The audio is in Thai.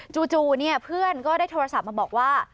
จู่เนี่ยเพื่อนก็ได้โทรศัพท์มาบอกว่า